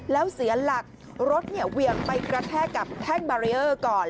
แล้วเสียหลักรถเหวี่ยงไปกระแทกกับแท่งบารีเออร์ก่อน